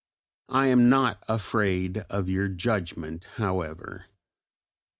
I am not afraid of your judgment however.